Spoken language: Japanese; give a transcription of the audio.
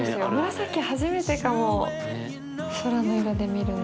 紫初めてかも空の色で見るの。